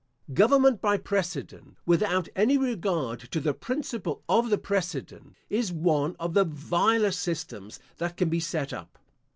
Government by precedent, without any regard to the principle of the precedent, is one of the vilest systems that can be set up.